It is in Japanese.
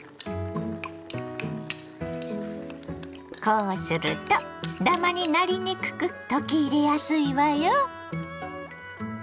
こうするとだまになりにくく溶き入れやすいわよ。